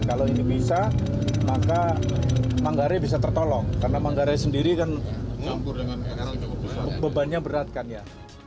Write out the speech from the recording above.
kalau ini bisa maka manggarai bisa tertolong karena manggarai sendiri kan bebannya berat kan ya